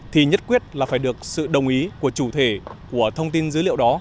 thì nhất quyết là phải được sự đồng ý của chủ thể của thông tin dữ liệu đó